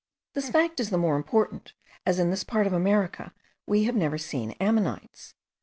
This fact is the more important, as in this part of America we have never seen ammonites.